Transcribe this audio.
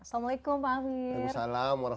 assalamualaikum pak amir